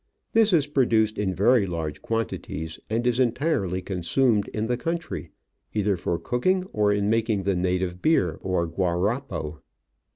This is produced in very large quantities, and is entirely consumed in the country, either for cooking or in making the native beer, ox gttarapo.